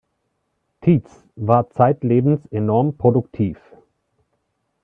Titz war zeitlebens enorm produktiv.